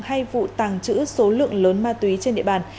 hay vụ tàng trữ số lượng lớn ma túy trên địa bàn